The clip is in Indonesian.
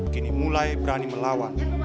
kini mulai berani melawan